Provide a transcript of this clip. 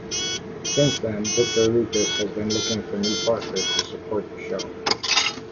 Since then, Victor Lucas has been looking for new partners to support the show.